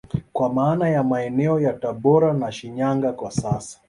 Kwa maana ya maeneo ya tabora na Shinyanga kwa sasa